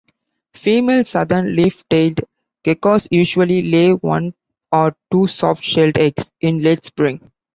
Female southern leaf-tailed geckos usually lay one or two soft-shelled eggs in late spring.